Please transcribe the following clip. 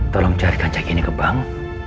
tolong carikan cagini ke bank